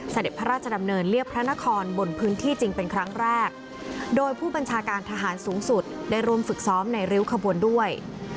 เสด็จพระราชดำเนินเรียบพระนครบนพื้นที่จริงเป็นครั้งแรกโดยผู้บัญชาการทหารสูงสุดได้ร่วมฝึกซ้อมในริ้วขบวนด้วย